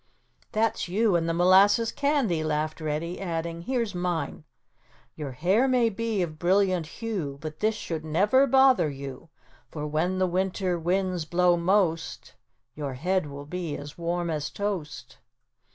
"That's you and the molasses candy," laughed Reddy, adding, "Here's mine: "Your hair may be of brilliant hue, But this should never bother you; For when the winter winds blow most, Your head will be as warm as toast."